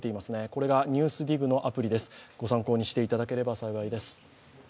これが「ＮＥＷＳＤＩＧ」のアプリですご参考にしていただければ幸いです。